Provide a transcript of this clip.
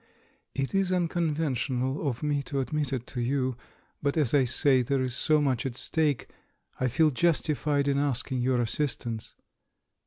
"It is unconventional of me to admit it to you; but, as I say, there is so much at stake — I feel justified in asking your assistance.